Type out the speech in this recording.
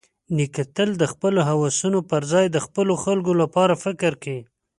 نیکه تل د خپلو هوسونو پرځای د خپلو خلکو لپاره فکر کوي.